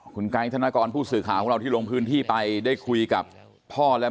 คุณไกด์ธนกรผู้สื่อข่าวของเราที่ลงพื้นที่ไปได้คุยกับพ่อและ